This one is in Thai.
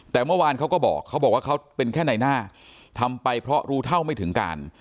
แต่เมื่อวานเขาก็บอกเป็นแค่ในหน้าทำไปเพราะรู้เท่าไม่ถึงการ